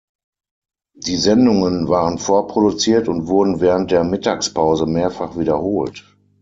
Die Sendungen waren vorproduziert und wurden während der Mittagspause mehrfach wiederholt.